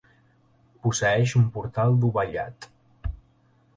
Posseeix un portal dovellat.